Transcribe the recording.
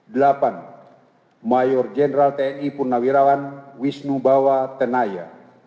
delapan mayor jenderal tni purnawirawan wisnu bawa tenaya